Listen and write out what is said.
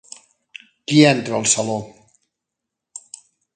Qui entra al saló?